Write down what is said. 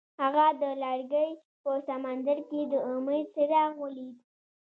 هغه د لرګی په سمندر کې د امید څراغ ولید.